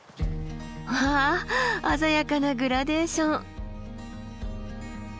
わあ鮮やかなグラデーション。